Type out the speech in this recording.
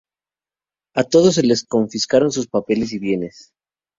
A todos se les confiscaron sus papeles y bienes.